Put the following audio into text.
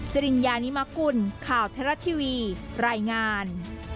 จริญญานิมกุลข่าวไทยรัฐทีวีรายงาน